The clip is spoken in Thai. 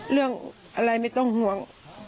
เรื่องอะไรไม่ต้องห่วง